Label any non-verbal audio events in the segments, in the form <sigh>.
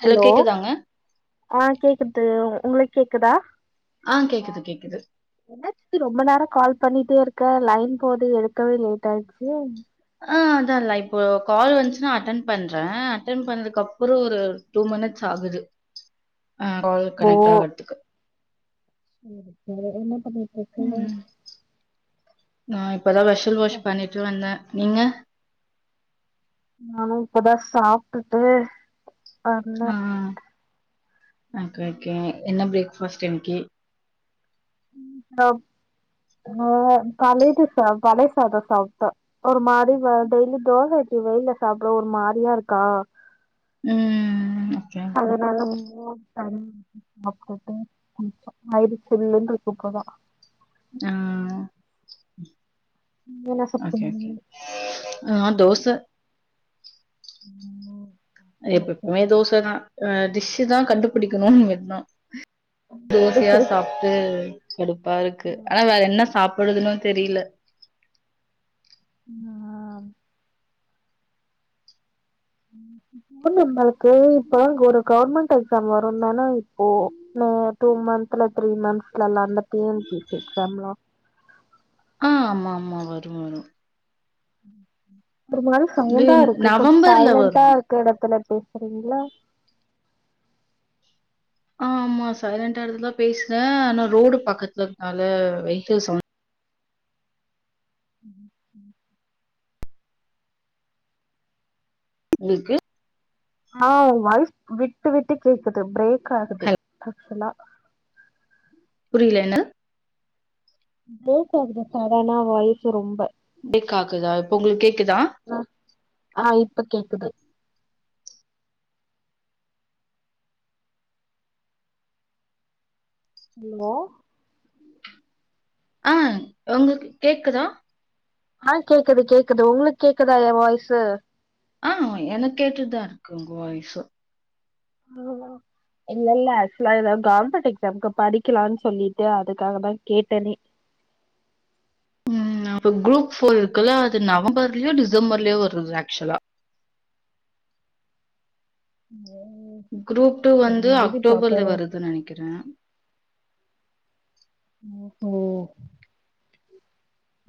Hello ஆ கேக்குது உ உங்ளுக்கு கேக்குதா ஆ கேக்குது கேக்குது என்னாச் ரொம்ப நேரொ கால் பண்ணிட்டேருக்கே லைன் போது எடுக்கவே லேட்டாயிடுச்சு ஆ அதா இல்ல இப்போ ஒ கால் வந்துச்சுன்னா அட்டன் பண்றே அட்டன் பண்ணதுக்கு அப்ற ஒரு டூ மினிட்ஸ் ஆகுது ஆ கால் போ கனெக்ட் ஆகறதுக்கு சரி ச என்ன பண்ணிட்டு இருக்க <unintelligible> <inaudible> இப்ப தா வேஷல் வாஷ் பண்ணிட்டு வந்தே நீங்க நானு இப்ப தா சாப்ட்டுட்டு ம் வந்தே ம் ஓகே ஓகே என்ன பிரேக ஃபஸ்ட் இன்னைக்கு ஆ ஆ பழேது சா பழைய சாதொ சாப்பிட்ட ஒரு மாரி டெய்லி தோச இட்லி வெயில சாப்ட ஒரு மாரியா இருக்கா ம் ம் அதனால <unintelligible> வயிறு ஃபுல்லுனுருக்கு இப்ப தா ஆ என்ன சாப்டிங்க நா தோச <inaudible> ஆ எப் ஓகே எப்புமே தோச தா ஆ டிஷீ தா கண்டுபிடிக்கணுன் எண்ணோ தோசயா சாப்ட்டு கடுப்பாருக்கு ஆனா வேற என்ன சாப் படுதணு தெரில பு நம்மளுக்கு இப்பதாக் கொரு கவுர்மெண்ட் எக்ஸ்ஸாம் வருன்தான இப்போ ஆ டூ மந்த்தல த்ரீ மந்த்ஸ்ல அந்த T N P C exam ஆ ஆமா ஆமா வரோ வரோ உ உம் ஒரு மாரி இது சவுண்டா இருக்கு கொஞ் நவம்பர்ல சைலெண்டா வரும். இருக்க எடத்துல பேசுறீங்ளா ஆமா சைலெண்டா <unintelligible> பேசுனே ஆனா ரோடு பக்கத்ல இருந்தனால வெஹிக்கிள் சவுண் உ உ உம் உங்ளுக்கு ஆ உ வாய்ஸ் விட்டு விட்டு கேக்குது பிரேக் ஆகுது ஹலோ ஆக்ட்சுவலா புரில என்ன ப்ரேக் அகுது சடனா வாய்சு ரொம்ப பேக் அகுத இப்ப உங்குளுக்கு கேக்குதா ஆ இப்ப கேக்குது ஹலோ ஆ உங்குளுக்கு கேக்குதா ஆ கேக்குது கேக்குது உங்குளுக்கு கேக்குதா எ வாய்சு ஆ எனக் கேட்டுதா இருக்கு உங்க வாய்சு இல்லல்ல <unintelligible> காம்பெட் எக்ஸ்ஸாம்க்கு படிக்கலான்னு சொல்லிட்டு அதுக்காகதா கேட்டனே உம் அப்ப குரூப் ஃபோர் இருக்குல்ல அது நவம்பர்லியோ டிசம்பர்லியோ வருர்து ஆக்ட்சுவலா உம் குரூப் டூ வந்து பாப்போ அக்டோபர்ல வருதுன்னு நெனைக்கிறே உம் ஓ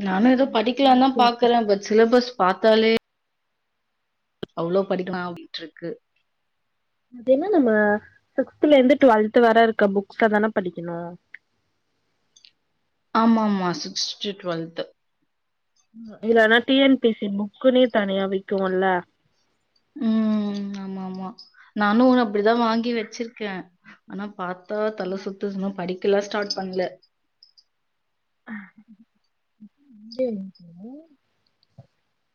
நானு ஏதோ படிக்லான்னுதா ஓகே அப்ப பாக்குறே பட் சிலபஸ் பாத்தாலே அவ்ளோ படிப்பனா அப்டின்ட்டுருக்கு அதென்ன நம்ம சிக்ஸ்த்ல இருந்து டுவெல்த் வர இருக்க புக்ஸ்சதான படிக்கணு ஆமா ஆமா சிக்ஸ்த் டூ டுவெல்த் இல்லனா டி என் பி சி புக்குனே தனியா விக்குல்ல உம் ஆமா ஆமா நானு ஒன்னு அப்பிடிதா வாங்கி வச்சிர்க்கே ஆனா பா தா தல சுத்து துன்னோ படி கில்ல ஸ்டார்ட் பண்ல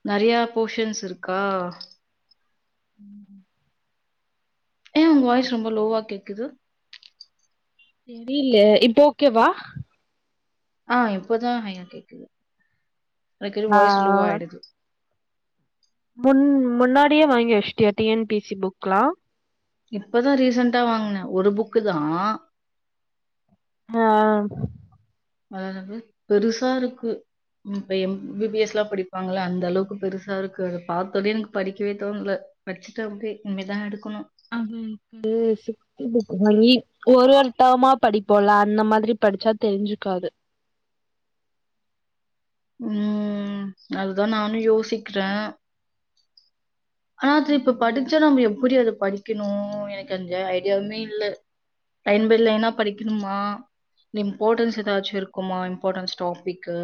நெறையா போர்ஷன்ஸ் இருக்கா உம் ஏ உங்க வாய்ஸ் ரொம்ப லோவா கேக்குது தெரில இப்போ ஓகேவா ஆ இப்பதா ஹையா கேக்குது அடிக்கடி ஆ வாயஸ் லோவ் ஆயிடுது முன் முன்னாடியே வாங்கி வச்சுடியா டி என் பி சி புக்லா இப்பதா ரீசன்டா வாங்குனே ஒரு புக்குதா ஆ <inaudible> பெருசா இருக்கு உம் இப்ப எம் பி பி எஸ் லா படிப்பாங்கள அந்த அளவுக்கு பெருசா இருக்கு அத பாத்தோனே எனக் படிக்கவே தோண்ல வச்சுட்ட அப்டே இம்மேதா எடுக்குணு ஒரு ஒரு டமா படிப்போல்ல அந்த மாத்ரி படிச்சா தெரிஞ்சுக்காது ம் அதுதா நானூ யோசிக்றே ஆனா அது இப்ப படிச்சா நம்ம எப்டி அதுப் படிக்கணு எனக்கெந்த ஐடியாவுமேல்ல லைன் பை லைனா படிக்கணுமா நிம்பார்ட்டன்ஸ் ஏதாச்சுருக்குமா இம்பார்ட்டன்ஸ் டாபிக்கு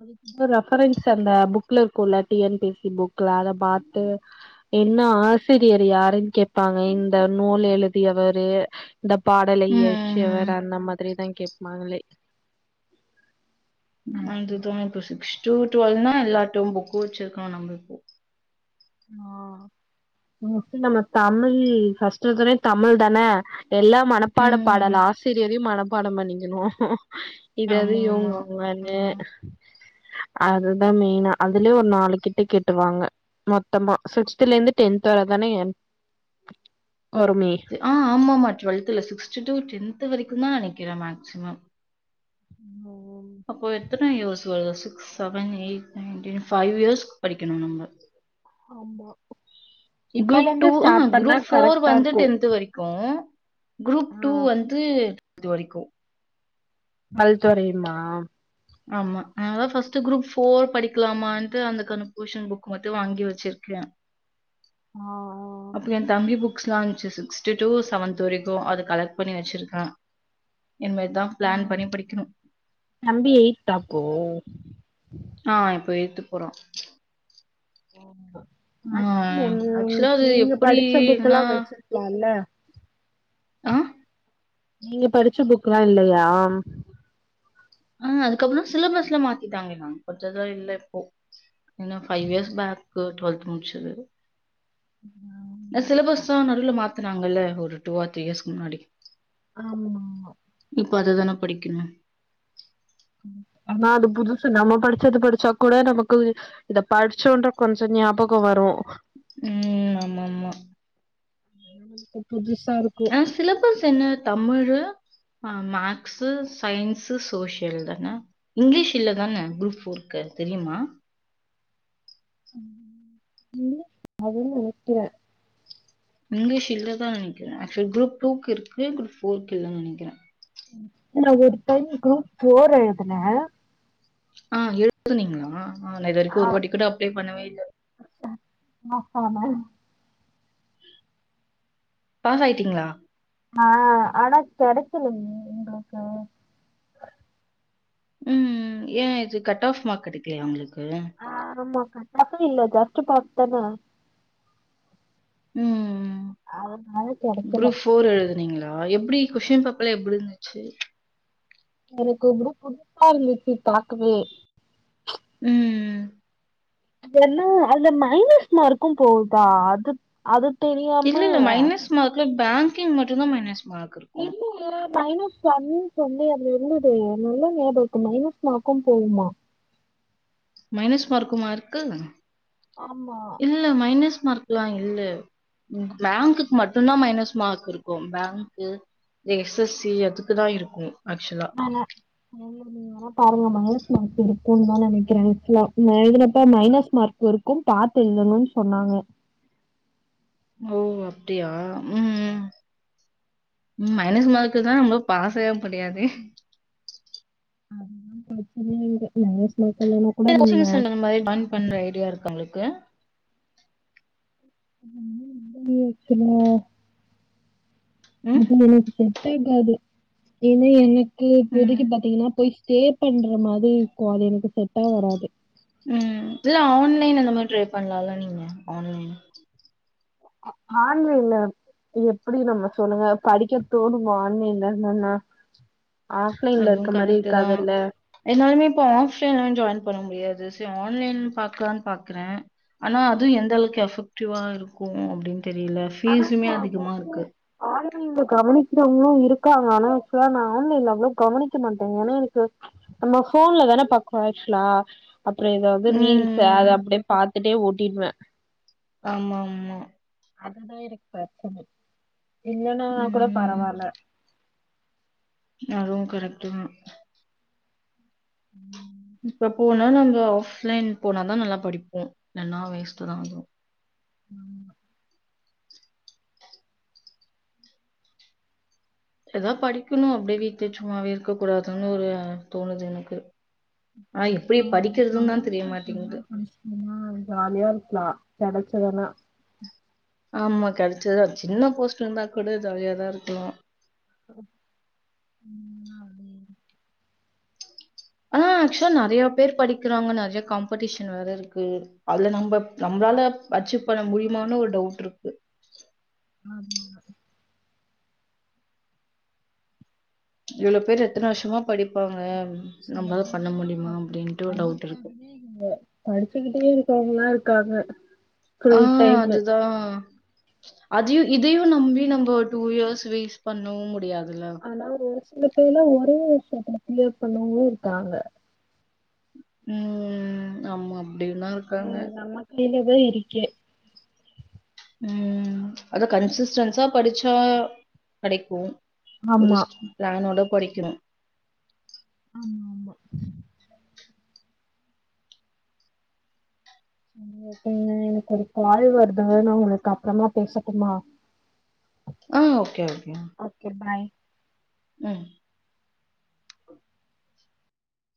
அதுக் ரெஃபரன்ஸ் அந்த புக்ல இருக்கோல டி என் பி சி புக்ல அத பாத்து என்ன ஆசிரியர் யாருன் கேப்பாங்க இந்த நூல் எழுதியவரு இந்த பாடலை ம். இயற்றியவர் அந்த மாத்ரிதா கேப்பாங்களே நன்றி தோ டு சிக்ஸ் டு டுவெல்னா எல்லாதுக்கூ புக்கு வெச்சுருக்கணு நம்ப இப்போ ஆ <inaudible> நம்ம தமிழ் ஃபஸ்ட் எடுத்தோனே தமிழ் தானே எல்லா மனப்பாட ம். பாடல் ஆசிரியரையூ மனப்பாடோ பண்ணிக்கணு இது அது இவங் ஆமாமா. ஆ. அவங்கனு அதுதா மெய்னா அதுலயே ஒரு நாலு கிட்ட கேட்டுருவாங்க மொத்தமா சிக்ஸ்துலேந்து டென்த் வரதானே து ஆ ஆமாமா டுவெல்த்தில்ல சிக்ஸ்த் டு டென்த் த்து வரைக்கூ தா நனைக்கிறே மேக்சிமம் ம் க்ஸ் seven eight nine ten five இயர்ஸ்க் படிக்கணு நம்ம ஆமா இப்பல குரூப் இருந்து டூ ஆஹ ஸ்டார்ட் பண்ணா குரூப் ஃபோர் கரெக்டா வந்து இருக்கு டென்த் வரைக்கூ குரூப் ஆ டூ வந்து இது வரைக்கூ பல்துறையுமா ஆமா அத ஃபஸ்ட் குரூப் ஃபோர் படிக்கலாமான்ட்டு அந்த கன்கூஷன் புக் மட்டூ வாங்கி வெச்சிருக்கே ஆ அப்போ ஆ எந்தம்பி புக் க்ஸ்லாய்ன்ச்சு சீக்ஸ்த் டு செவன்த் வரைக்கூ அத கலெக்ட் பண்ணி வெச்சிருக்கே இனிமேட் தா ப்ளான் ம் பண்ணி படிக்கணு தப்போ ஆ இப்போ ஏயித்து போறா ஆம்மா மேக்ஸிமம் ஆக்சுவலா அது வந்து நீங்க எப்படி படிச்ச என்ன புக்லா வெச்சிருக்லாலே ஆ நீங்க படிச்ச புக்கெல்லா இல்லையா ஆ அதுக்கப்றோ சிலபஸ்ல மாத்திட்டாங்ளேமா பட்ச்சதேல்ல இப்போ இல்ல ஃபைவ் இயர்ஸ் பேக் டுவெல்த்து முட்ச்சது நா சிலபஸ்ஸு <unintelligible> லா மாத்துனாங்கல ஒரு டூ ஆர் த்ரீ இயர்ஸ்கு முன்னாடி ஆம்மாமா ப அதுதானே படிக்கணூ ஆனா அது புதுசு நம்ம படிச்சது படிச்சா கூட நமக்கு இத படிச்சோன்ற கொஞ்ச ஞாபகோ வரோ ம் ஆமாம்மா இப்போ புதுஸ் ஆ சிலபஸ் என்ன தமிழு ஆ மேக்ஸு, சயின்ஸு சோசியல் தானே இங்கிலீஷ் இல்லதான குரூப் ஃபோர்க்கு தெரியுமா ம் அதா நெனைக்கிறே இங்கிலீஷ் இல்லதா நெனைக்றே ஃப் குரூப் டூக்கு இருக்கு குரூப் ஃபோர்க்கு இல்ல நெனைக்கிறே ம், நா ஒரு டைம் குரூப் ஃபோர் எழுதுன ஆ எழுதுனீங்களா. ஆ நா இது வரைக்கு ஒரு வாட்டி கூட அப்ளை பண்ணவே இல்ல பாஸான பாஸ் ஆயிட்டீங்ளா ஆ ஆனா கெடைக்கலிங்க எங்ளுக்கு ம் ஏ இது கட் ஆஃப் மார்க் கெடைக்கலையா அவங்களுக் ஆ ஆமா கட் ஆஃப் இல்ல ஜாஸ்ட் பாஸ்தான ம் இல்ல குரூப் ஃபோர் எழுதுனிங்ளா எப் எப்டி கொஷின் பேப்பலா எப்படி இருந்துச்சு? எனக்கு எதோ புதுசா இருந்துச்சு பாக்கவே ம் ம் என்ன அந்த மைனஸ் மார்க்கு போகுதா அது அது தெரியாம இல்லல்ல மைனஸ் மார்க்ல பேங்கிங் மட்டுந்தா மைனஸ் மார்க் இருக்கும். இல்லைங்க மைனஸ் பண்ணு சொல்லி அதுல இருந்துதே நல்லா ஞாபக இருக்கு மைனஸ் மார்க்கும் போகுமா மைனஸ் மார்க்குமா இருக்கு ஆமா இல்ல மைனஸ் மார்க்லா இல்ல பேங்க்குக்கு மட்டுந்தா மைனஸ் மார்க் இருக்கு பேங்க்கு எஸ் எஸ் சி அதுக்குதா இருக்கு ஆமா <unintelligible> பாருங்க மைனஸ் மார்க் இருக்கு தா நெனைக்கிற அக்சுலா நா எழுதுனப்ப மைனஸ் மார்க் இருக்கு பாத்து எழுதணுன் சொன்னாங்க ஓ அப்டியா ம் மைனஸ் மார்க்க தா நம்ள பாசய முடியாதே ஆ ப்ரச்சனயே இல்ல மைனஸ் மார்க் இல்லனா <unintelligible> கூட நம்ம ஜாய்ன் பண்ற ஐடியா இருக்கா உங்களுக்கு ம் ம் இருக்குங்க ம், அது எழுதிட்ட <unintelligible> என்ன இ ம். இப்போதக்கு பாத்தீங்கன்னா போய் பே பண்ற மாதி இருக்கு அது எனக்கு செட்டா வராது ம் இல்ல ஆன்லைன் அந்த மாரி ட்ரை பண்லால்ல நீங்க ஆன்லைன் ஆன்லைன்ல எப்டி நம்ம சொல்லுங்க படிக்க தோணுமா ஆன்லைன்ல என்னன்ன அதுவு கரெக்ட்டு தா எல்லாருமே இப்ப ஆஃப்லைன்ல ஜாய்ன் பண்ண முடியாது சியோ ஆன்லைன் பாக்லான் பாக்ற ஆனா அது எந்த அளவுக்கு எபெக்டிவா இருக்கு அப்டின் தெரியல ஆனா ஃபீஸுமே அதிகமா இருக்கு. கவனிக்கிறவங்களும் இருக்காங்க ஆனா ஆக்சுவலா நான் ஆன்லைன்ல அவ்ளவு கவனிக்க மாட்டேன் ஏன்னா எனக்கு நம்ம போன்ல தானே பாக்கோம் ஆக்சுவலா. அப்புறம் இத வந்து ரீல்ஸ் அதை ம். அப்படியே பார்த்துட்டே. டின்வ ஆமாம்மா அதுதா எனக்கு பிரச்சனே இல்லன்னா கூட பரவால்ல அதுவு கரெக்ட்டு தா உ <inaudible> ம் இப்ப போனா நாங்க ஆஃப்லைன் போனாதா நல்லா படிப்போ இல்லைன்னா வேஸ்ட் தா ஆகோ உம் <inaudible> ஏதா படிக்கணு அப்படியே வீட்டுல சும்மாவே இருக்க கூடாதுன்னு ஒரு தோணுது எனக்கு ஆ எப்படி படிக்கிறதுன்னு தான் தெரிய மாட்டேங்குது. படிசிங்கன ஜாலியா இருக்கலா கெடச்சுதுன்னா ஆமா கிடைச்சதா சின்ன போஸ்ட் இருந்தா கூட ஜாலியாதா இருக்கணு ம் ஆனா ஆக்சுவலா நெறையா பேர் படிக்கிறாங்க நெறைய கம்பெடிஷன் வேற இருக்கு அதுல நம்ம நம்மளால அச்சீவ் பண்ண முடியுமானு ஒரு டவுட் இருக்கு ஆம்மா இவ்ளோ பேரு எத்தன வருஷமா படிப்பாங்க சில நம்மளால பண்ண பேர்னா முடியுமா? அப்படின்ட்டு ஒரு டவுட் இருக்கு. அதுக்காகவே இங்க படிச்சுக்கிட்டே இருக்காங்க க்காங்க ஆ அதுதா அதையு இதையு நம்பி நம்ப ஒரு டூ இயர்ஸ் வேஸ்ட் பண்ணவு முடியாது ஆனா ஒரு சில பேர்லா ஒரே வருஷத்துல க்ளியர் பண்ணவங்களு இருக்காங்க ம் ஆமாம் ம் நம்ம கைல தா இருக்கு ம் அத கன்சிஸ்டன்ஸா படிச்சா கெடைக்கு ஒரு ஆமா பிளானோட படிக்கணு ஆமாமா ஆ எனக்கு ஒரு கால் வருது நா உங்களுக்கு அப்பறமா பேசட்டுமா அ ஓகே ஓகே ம்